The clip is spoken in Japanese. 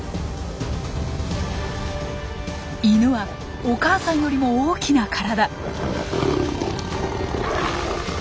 イヌはお母さんよりも大きな体。